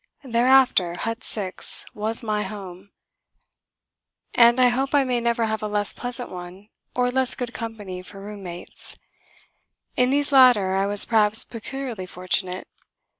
Thereafter Hut 6 was my home and I hope I may never have a less pleasant one or less good company for room mates. In these latter I was perhaps peculiarly fortunate.